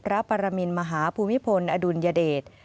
ปรมินมหาภูมิพลอดุลยเดช